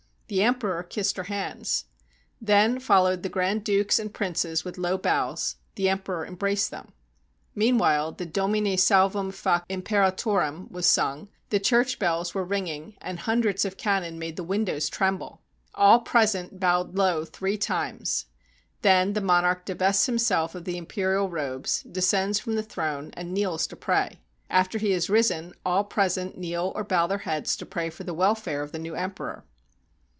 The emperor kissed her hands. Then followed the grand dukes and princes with low bows; the emperor embraced them. Meanwhile the ^'Domine salvumfac imperatorem^^ was sung, all the church bells were ringing, and hundreds of cannon made the windows tremble. All present bowed low three times. Then the monarch divests himself of the imperial robes, descends from the throne, and kneels to pray. After he has risen, all present kneel or bow their heads to pray for the welfare of the new emperor.